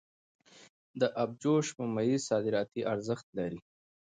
د ابجوش ممیز صادراتي ارزښت لري.